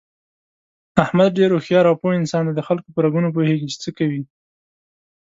احمد ډېر هوښیار او پوه انسان دی دخلکو په رګونو پوهېږي، چې څه کوي...